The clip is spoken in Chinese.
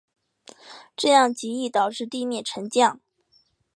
这样极易导致地面沉降。